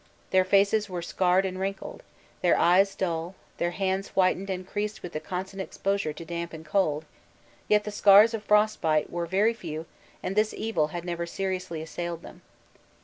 Their faces were scarred and wrinkled, their eyes dull, their hands whitened and creased with the constant exposure to damp and cold, yet the scars of frostbite were very few and this evil had never seriously assailed them.